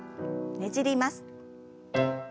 ねじります。